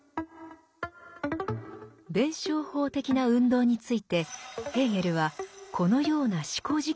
弁証法的な運動についてヘーゲルはこのような思考実験を論じています。